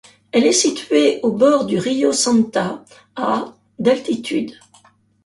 Elle est située au bord du Río Santa, à d'altitude.